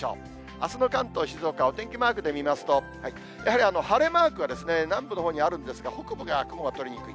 あすの関東、静岡、お天気マークで見ますと、やはり晴れマークはですね、南部のほうにあるんですが、北部が雲が取れにくい。